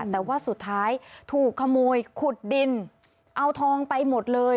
แต่ว่าสุดท้ายถูกขโมยขุดดินเอาทองไปหมดเลย